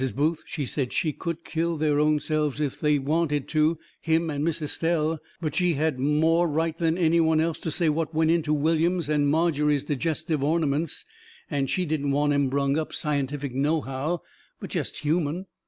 Booth, she said they could kill their own selves, if they wanted to, him and Miss Estelle, but she had more right than any one else to say what went into William's and Margery's digestive ornaments, and she didn't want 'em brung up scientific nohow, but jest human.